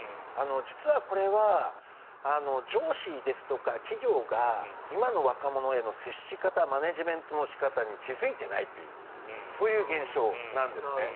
実はこれは、上司ですとか企業が今の若者への接し方マネジメントの仕方に気付いてないというそういう現象なんですね。